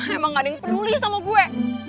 emang gak ada yang peduli sama gue